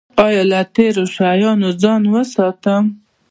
ایا له تیرو شیانو ځان وساتم؟